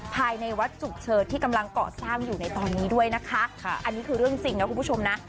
ภายในวัดจุกเฉิดที่กำลังเกาะสร้างอยู่ในตอนนี้ด้วยนะคะอันนี้คือเรื่องจริงนะคุณผู้ชมนะ